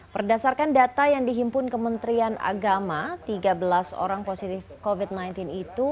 berdasarkan data yang dihimpun kementerian agama tiga belas orang positif covid sembilan belas itu